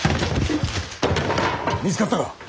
見つかったか。